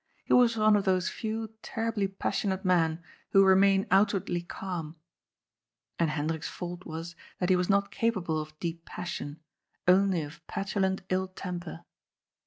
He was one of those few terri bly passionate men who remain outwardly calm. And Hendrik's fault was that he was not capable of deep passion, only of petulant ill temper.